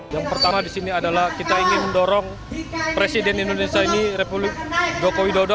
yang pertama di sini adalah kita ingin mendorong presiden indonesia ini republik jokowi dodo